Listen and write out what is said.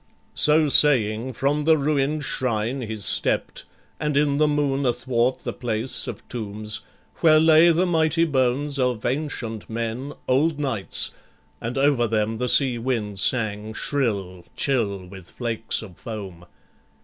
So saying, from the ruin'd shrine he stept, And in the moon athwart the place of tombs, Where lay the mighty bones of ancient men, Old knights, and over them the sea wind sang Shrill, chill, with flakes of foam.